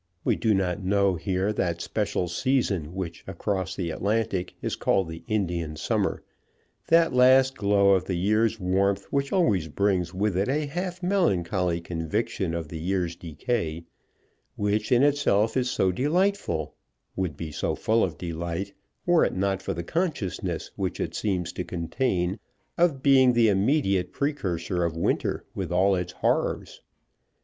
We do not know here that special season which across the Atlantic is called the Indian summer, that last glow of the year's warmth which always brings with it a half melancholy conviction of the year's decay, which in itself is so delightful, would be so full of delight, were it not for the consciousness which it seems to contain of being the immediate precursor of winter with all its horrors.